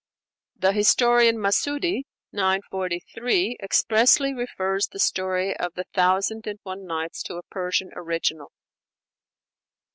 The historian Masudi (943) expressly refers the story of the 'Thousand and One Nights' to a Persian original.